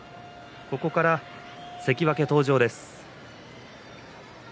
ここから関脇登場です。